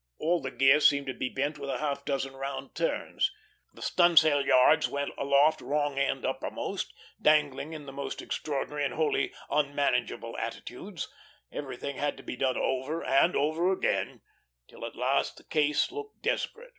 All the gear seemed to be bent with a half dozen round turns; the stun'sail yards went aloft wrong end uppermost, dangling in the most extraordinary and wholly unmanageable attitudes; everything had to be done over and over again, till at last the case looked desperate.